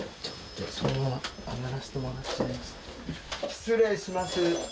失礼します。